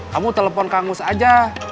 kamu telepon kang mus aja